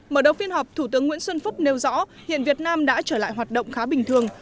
mở đầu phiên họp thủ tướng nguyễn xuân phúc nêu rõ hiện việt nam đã trở lại hoạt động khá bình thường